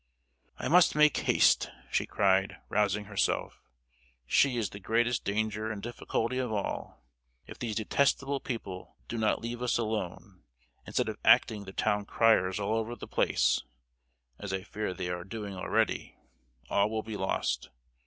"I must make haste," she cried, rousing herself; "she is the greatest danger and difficulty of all! If these detestable people do not let us alone, instead of acting the town criers all over the place (as I fear they are doing already!)—all will be lost!